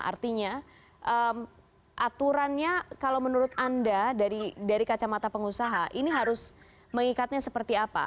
artinya aturannya kalau menurut anda dari kacamata pengusaha ini harus mengikatnya seperti apa